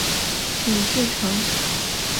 韦志成。